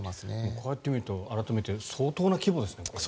こうやって見ると相当な規模ですね。